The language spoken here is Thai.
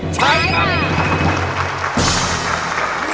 ใช้